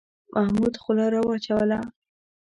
محمود خوله را وچوله.